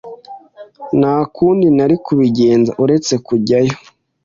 Nta kundi nari kubigenza uretse kujyayo.